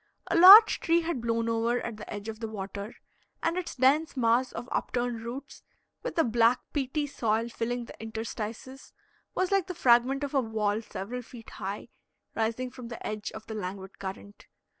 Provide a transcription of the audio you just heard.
A large tree had blown over at the edge of the water, and its dense mass of up turned roots, with the black, peaty soil filling the interstices, was like the fragment of a wall several feet high, rising from the edge of the languid current.